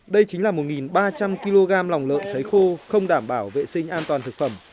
đây chính là một ba trăm linh kg lòng lợn xấy khô không đảm bảo vệ sinh an toàn thực phẩm